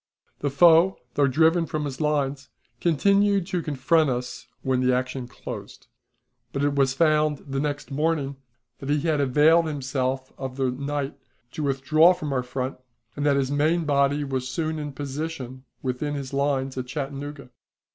The foe, though driven from his lines, continued to confront us when the action closed. But it was found the next morning that he had availed himself of the night to withdraw from our front, and that his main body was soon in position within his lines at Chattanooga.